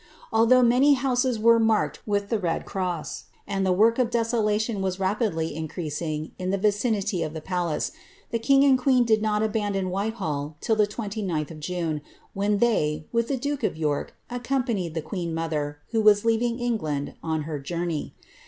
Although many houses were marked with the red cross, and tlie work of desolation was rapidly increasing in the vicinity of the palace, the king and queen did not abandon Whitehall till the 20th of June, when they, with the duke of York, accompanied the queen mother, who was leaving England, on her journey.